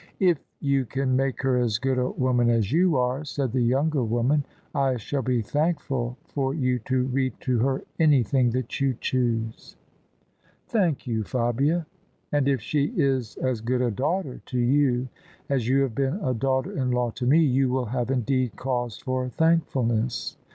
" If you can make her as good a woman as you are," said the younger woman, " I shall be thankful for you to read to her anything that you choose." "Thank you, Fabia. And if she is as good a daughter to you as you have been a daughter in law to me, you will have indeed cause for thankfulness.